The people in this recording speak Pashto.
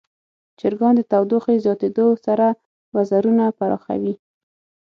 چرګان د تودوخې زیاتیدو سره وزرونه پراخوي.